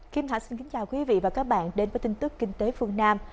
kim thả xin kính chào quý vị và các bạn đến với tin tức kinh tế phương nam